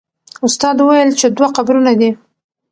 استاد وویل چې دوه قبرونه دي.